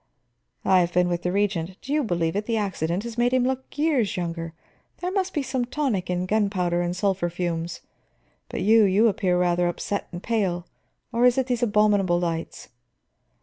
"I have been with the Regent. Do you believe it, the accident has made him look years younger. There must be some tonic in gunpowder and sulphur fumes. But you, you appear rather upset and pale; or is it these abominable lights?"